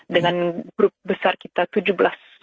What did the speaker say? dengan grup besar kita tujuh belas